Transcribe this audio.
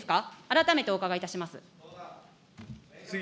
改めてお伺いいたします。